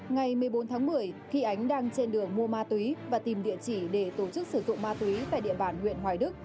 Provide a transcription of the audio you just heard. ngày một mươi bốn tháng một mươi khi ánh đang trên đường mua ma túy và tìm địa chỉ để tổ chức sử dụng ma túy tại địa bàn huyện hoài đức